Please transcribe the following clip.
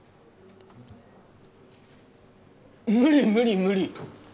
無理無理無理